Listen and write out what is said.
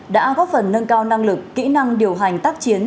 đã góp phần nâng cao năng lực kỹ năng điều hành tác chiến